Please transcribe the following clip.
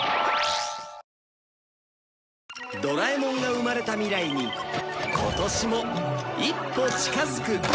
ドラえもんが生まれた未来に今年も一歩近づく